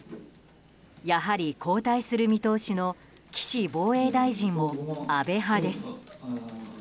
やはり交代する見通しの岸防衛大臣も安倍派です。